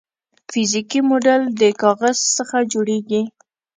فزیکي موډل د کاغذ څخه جوړیږي.